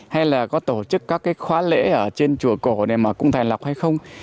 hay là có tổ chức các khóa lễ ở trên chùa cổ này mà cũng thành lọc hay không